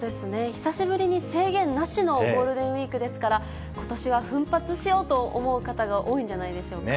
久しぶりに制限なしのゴールデンウィークですから、ことしは奮発しようと思う方が多いんじゃないでしょうか。